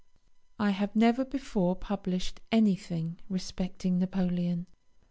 I have never before published anything respecting Napoleon.